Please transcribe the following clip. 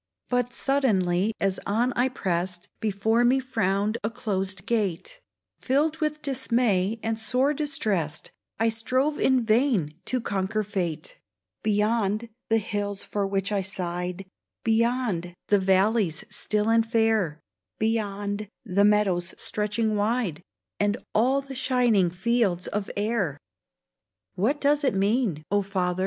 But suddenly, as on I pressed, Before me frowned a closed gate ; Filled with dismay, and sore distressed, I strove in vain to conquer fate 1 Beyond, the hills for which I sighed — Beyond, the valleys still and fair — Beyond, the meadows stretching wide, And all the shining fields of air !••••• What does it mean, O Father